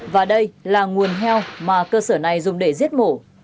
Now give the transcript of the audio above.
và đây là nguồn heo mà cơ sở này dùng để giết mổ